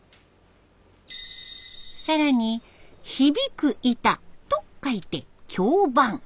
更に響く板と書いて「響板」。